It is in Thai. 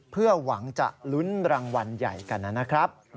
เพื่อหวังจะลุ้นรางวัลใหญ่กันนะครับ